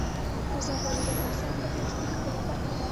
زردالو د افغانستان د طبیعت د ښکلا برخه ده.